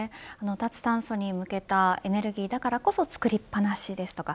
脱炭素に向けたエネルギーだからこそ作りっぱなしですとか